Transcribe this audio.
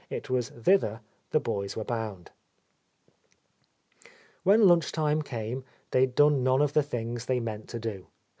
It was thither the boys were bound. When lunch time came they had done none of the things they meant to do.